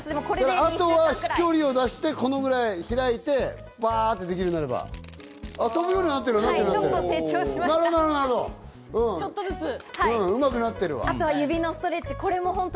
あとは飛距離を出して、このくらい開いてバっとできるようになれば、飛ぶようになってる。